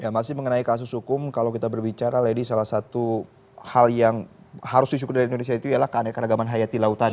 masih mengenai kasus hukum kalau kita berbicara lady salah satu hal yang harus disyukur dari indonesia itu ialah keanekaragaman hayati lautan